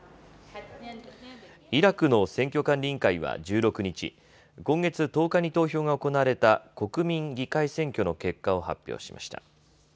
イラクの選挙管理委員会は１６日、今月１０日に投票が行われた国民議会選挙の結果を発表しました。